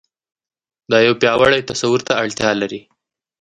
دا يو پياوړي تصور ته اړتيا لري.